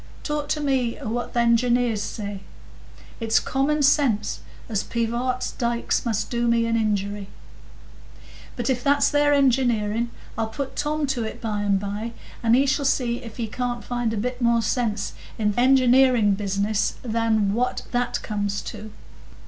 Talk to me o' what th' engineers say! I say it's common sense, as Pivart's dikes must do me an injury. But if that's their engineering, I'll put Tom to it by and by, and he shall see if he can't find a bit more sense in th' engineering business than what that comes to."